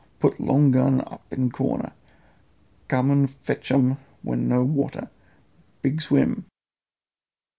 Put long gun up in corner; come and fetch um when no water. Big swim!"